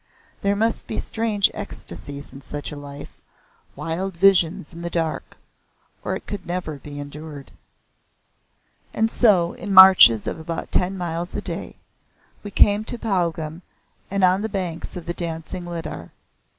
There must be strange ecstasies in such a life wild visions in the dark, or it could never be endured. And so, in marches of about ten miles a day, we came to Pahlgam on the banks of the dancing Lidar.